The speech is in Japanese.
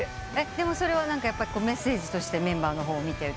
でもそれはメッセージとしてメンバーの方を見て歌った？